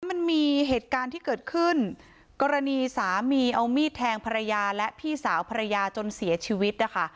มันมีเหตุการณ์ที่เกิดขึ้นกรณีสามีเอามีดแทงภรรยาและพี่สาวภรรยาจนเสียชีวิตนะคะ